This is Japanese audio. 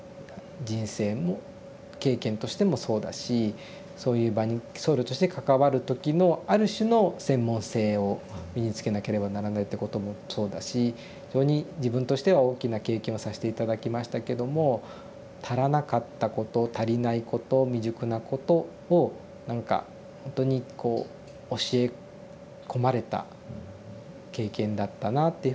人生も経験としてもそうだしそういう場に僧侶として関わる時のある種の専門性を身につけなければならないってこともそうだし非常に自分としては大きな経験をさして頂きましたけども足らなかったこと足りないこと未熟なことを何かほんとにこう教え込まれた経験だったなっていうふうに振り返っては思いますね。